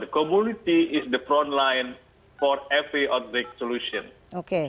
komunitas adalah pilihan depan untuk semua solusi outbreak